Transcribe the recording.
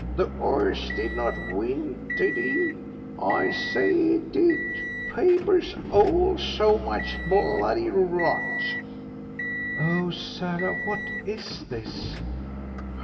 The 'orse did not win, did he? I say he did; papers all so much bloody rot." "Oh, Sarah, what is this?"